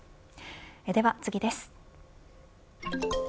では次です。